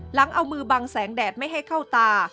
หลังเอามือบังแสงแดดไม่ให้เข้าตา